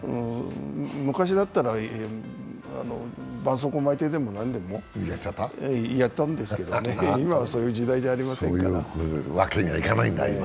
昔だったら、ばんそうこうを巻いてでもやったんですけどね、今はそういう時代じゃありませんから。